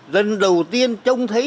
lần đầu tiên trông thấy